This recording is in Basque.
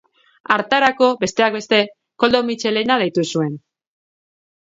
Hartarako, besteak beste Koldo Mitxelena deitu zuen.